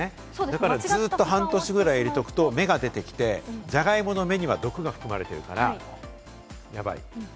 だからずっと半年ぐらい入れておくと、芽が出てきて、ジャガイモの芽には毒が含まれているから、やばい。